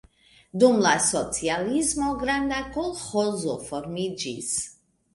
Dum la socialismo granda kolĥozo formiĝis.